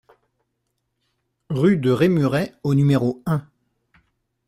Rue de Rémuret au numéro un